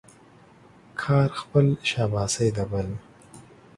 کار خپل ، شاباسي د بل.